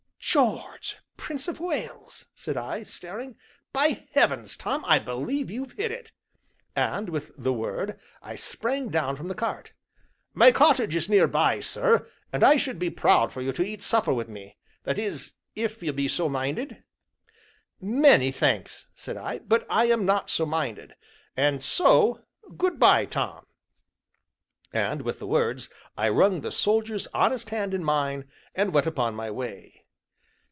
"George, Prince of Wales!" said I, staring; "by heavens, Tom, I believe you've hit it!" And, with the word, I sprang down from the cart. "My cottage is near by, sir, and I should be proud for you to eat supper wi' me that is if you be so minded?" "Many thanks," said I, "but I am not so minded, and so, good by, Tom!" And, with the words, I wrung the soldier's honest hand in mine, and went upon my way.